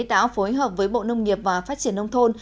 đã phối hợp với bộ nông nghiệp và phát triển nông thôn